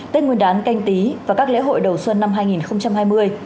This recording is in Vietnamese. tết nguyên đán canh tí và các lễ hội đầu xuân năm hai nghìn hai mươi